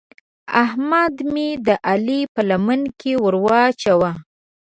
احمد مې د علي په لمن کې ور واچاوو.